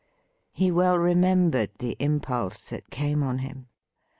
He well remembered the impulse that came on him.